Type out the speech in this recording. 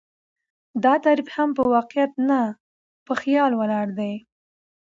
دا تعريف هم په واقعيت نه، په خيال ولاړ دى